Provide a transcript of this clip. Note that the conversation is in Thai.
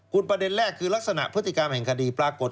คุณประเด็นแรกคือลักษณะพฤติกรรมแห่งคดีปรากฏ